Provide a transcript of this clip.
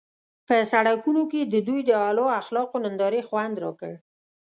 په سړکونو کې د دوی د اعلی اخلاقو نندارې خوند راکړ.